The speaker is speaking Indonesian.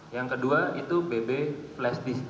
yang kedua itu pb flashdisk